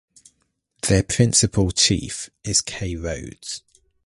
Their Principal Chief is Kay Rhoads.